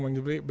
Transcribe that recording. beda mental iya